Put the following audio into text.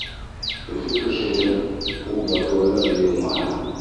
Өфө кешеһе — ул дәғүәләр йыйылмаһы.